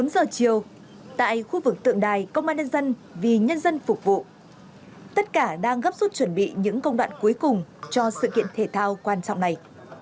bốn giờ chiều tại khu vực tượng đài công an nhân dân vì nhân dân phục vụ tất cả đang gấp rút chuẩn bị những công đoạn cuối cùng cho sự kiện thể thao quan trọng này